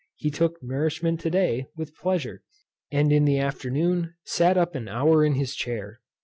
He took nourishment to day, with pleasure; and, in the afternoon, sat up an hour in his chair.